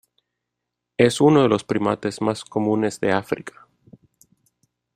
Es uno de los primates más comunes de África.